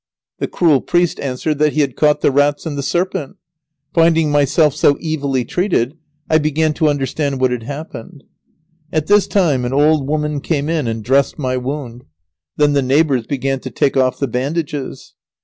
The cruel priest answered that he had caught the rats and the serpent. Finding myself so evilly treated, I began to understand what had happened. At this time an old woman came in and dressed my wound. Then the neighbours began to take off the bandages.